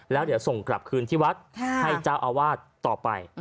แล้วเดี๋ยวส่งกลับคืนที่วัดให้เจ้าอาวาสต่อไป